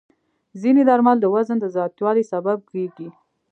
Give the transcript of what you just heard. ځینې درمل د وزن د زیاتوالي سبب کېږي.